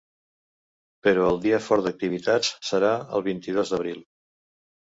Però el dia fort d’activitats serà el vint-i-dos d’abril.